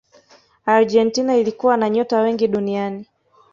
argentina ilikuwa na nyota wengi duniani